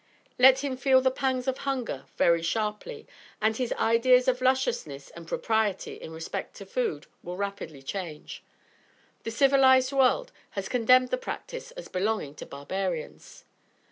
Let him feel the pangs of hunger very sharply, and his ideas of lusciousness and propriety in respect to food will rapidly change. The civilized world has condemned the practice as belonging to barbarians.